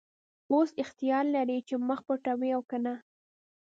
اوس اختیار لرې چې مخ پټوې او که نه.